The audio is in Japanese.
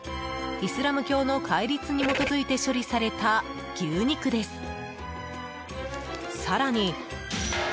イスラム教の戒律に基づいて処理された牛肉です。